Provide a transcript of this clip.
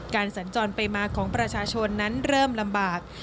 สัญจรไปมาของประชาชนนั้นเริ่มลำบาก